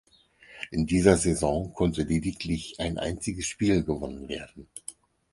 In dieser Saison konnte lediglich ein einziges Spiel gewonnen werden.